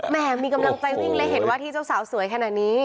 แม่มีกำลังใจวิ่งเลยเห็นว่าที่เจ้าสาวสวยขนาดนี้